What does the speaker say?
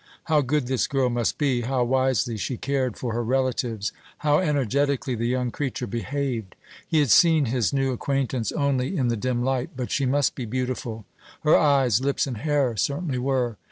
How good this girl must be, how wisely she cared for her relatives! How energetically the young creature behaved! He had seen his new acquaintance only in the dim light, but she must be beautiful. Her eyes, lips, and hair certainly were.